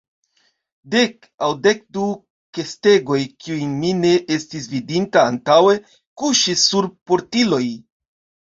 Dek aŭ dek du kestegoj, kiujn mi ne estis vidinta antaŭe, kuŝis sur portiloj.